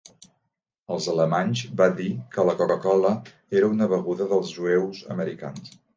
Els alemanys va dir que la coca-cola era una beguda dels "jueus americans".